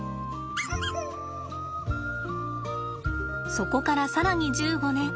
そこから更に１５年。